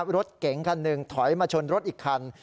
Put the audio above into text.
รถเก๋งคันหนึ่งถอยมาชนรถอีกคัน